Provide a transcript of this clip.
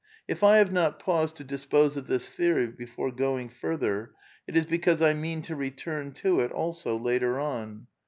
If I have not paused to dispose of this theory before going further it is because I mean to return to it also later on.